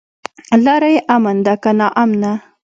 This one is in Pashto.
لاره يې امن ده که ناامنه؟